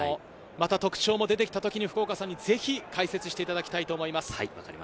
特徴も出てきた時に福岡さんにぜひ解説をしていただきたいと思います。